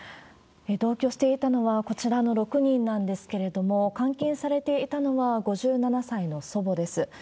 同居していたのは、こちらの６人なんですけれども、監禁されていたのは５７歳の祖母です。